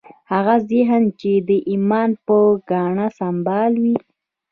هغه ذهن چې د ایمان په ګاڼه سمبال وي